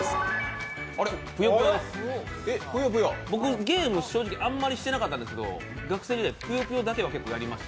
ぷよぷよです、僕、ゲームあんまりしてなかったんですけど、学生時代、ぷよぷよだけはやってまして。